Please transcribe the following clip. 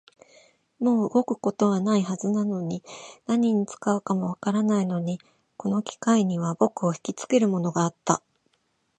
もう動くことはないはずなのに、何に使うかもわからないのに、この機械には僕をひきつけるものがあった